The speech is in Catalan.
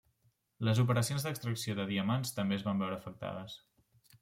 Les operacions d'extracció de diamants també es van veure afectades.